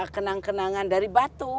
kenang kenangan dari batu